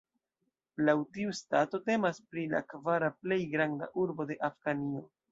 Laŭ tiu stato temas pri la kvara plej granda urbo de Afganio.